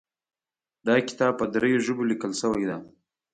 دا کتاب په دریو ژبو لیکل شوی ده